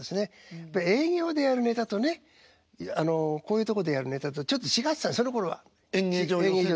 やっぱり営業でやるネタとねこういうとこでやるネタとちょっと違ってたそのころは。